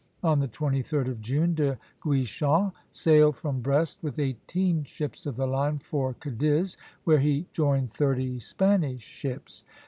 On the 23d of June De Guichen sailed from Brest with eighteen ships of the line for Cadiz, where he joined thirty Spanish ships.